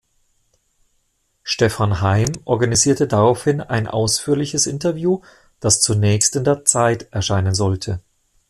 Stefan Heym organisierte daraufhin ein ausführliches Interview, das zunächst in der "Zeit" erscheinen sollte.